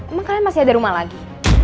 emang kalian masih ada rumah lagi